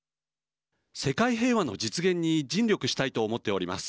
世界平和の実現に尽力したいと思っております。